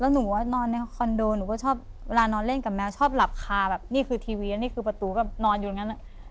หนูว่านอนในคอนโดหนูก็ชอบเวลานอนเล่นกับแมวชอบหลับคาแบบนี่คือทีวีนี่คือประตูก็นอนอยู่อย่างนั้น